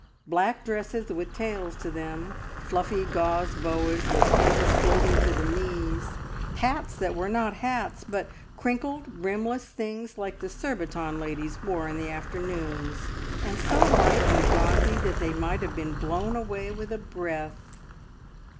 Black dresses with tails to them; fluffy gauze boas with ends floating to the knees; hats that were not hats, but crinkled, brimless things like the Surbiton ladies wore in the afternoons, and so light and gauzy that they might have been blown away with a breath.